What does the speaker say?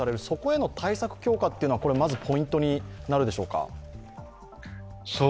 そこへの対策強化はまずポイントになるでしょうか。